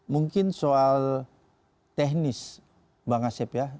mungkin soal teknis bang asep ya